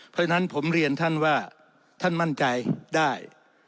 เพราะฉะนั้นผมเรียนท่านว่าท่านมั่นใจได้